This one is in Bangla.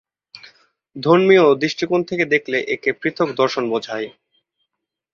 ধর্মীয় দৃষ্টিকোণ থেকে দেখলে একে পৃথক দর্শন বুঝায়।